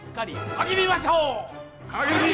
励みましょう！